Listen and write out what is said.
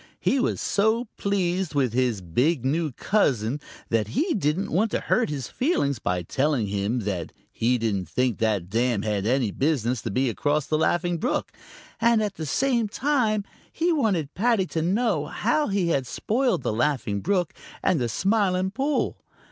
He was so pleased with his big new cousin that he didn't want to hurt his feelings by telling him that he didn't think that dam had any business to be across the Laughing Brook, and at the same time he wanted Paddy to know how he had spoiled the Laughing Brook and the Smiling Pool.